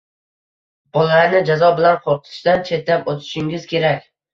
bolalarni jazo bilan qo‘rqitishdan chetlab o'tishingiz kerak.